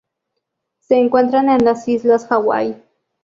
Se encuentran en las Islas Hawái.